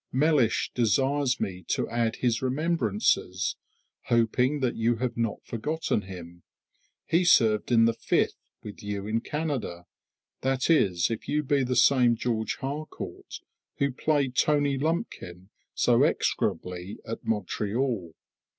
Mellish desires me to add his remembrances, hoping you have not forgotten him. He served in the "Fifth" with you in Canada, that is, if you be the same George Harcourt who played Tony Lumpkin so execrably at Montreal.